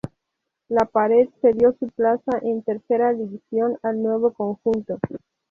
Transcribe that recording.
La Pared cedió su plaza en Tercera División al nuevo conjunto.